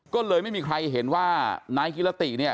ก็เลยไม่มีใครเห็นว่านายกิรติเนี่ย